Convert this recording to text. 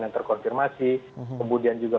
yang terkonfirmasi kemudian juga